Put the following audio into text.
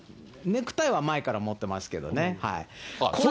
ネクタイは前から持ってますけどね。